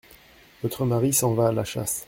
Votre mari s’en va à la chasse…